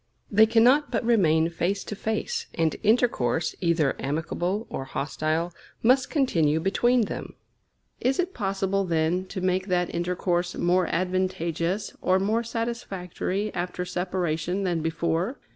They cannot but remain face to face; and intercourse, either amicable or hostile, must continue between them. Is it possible, then, to make that intercourse more advantageous or more satisfactory after separation than before?